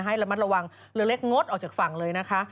ให้ระมัดระวังเรือเล็กงดออกจากฝั่งเลยนะคะ